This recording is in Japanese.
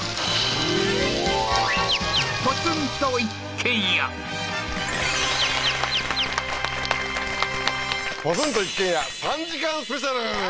今夜もポツンと一軒家３時間スペシャル！